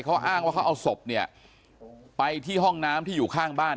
เขาอ้างว่าเขาเอาศพเนี่ยไปที่ห้องน้ำที่อยู่ข้างบ้าน